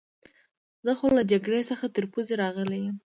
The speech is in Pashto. زه خو له جګړې څخه تر پوزې راغلی یم.